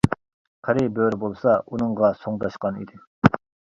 قېرى بۆرە بولسا ئۇنىڭغا سوڭداشقان ئىدى.